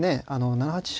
７八飛車